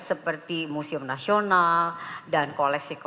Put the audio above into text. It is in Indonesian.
seperti museum nasional dan koleksi koleksi